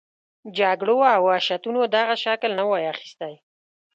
جګړو او وحشتونو دغه شکل نه وای اخیستی.